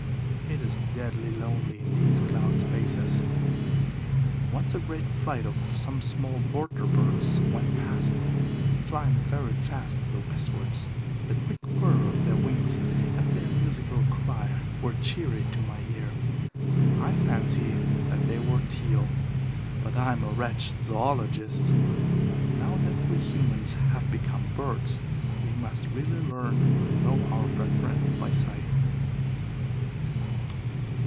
It is deadly lonely in these cloud spaces. Once a great flight of some small water birds went past me, flying very fast to the westwards. The quick whir of their wings and their musical cry were cheery to my ear. I fancy that they were teal, but I am a wretched zoologist. Now that we humans have become birds we must really learn to know our brethren by sight.